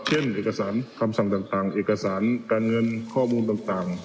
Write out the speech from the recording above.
เช่นเอกสารคำสั่งต่างต่างเอกสารการเงินข้อมูลต่างต่าง